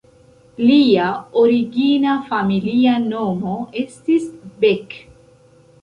Lia origina familia nomo estis "Beck".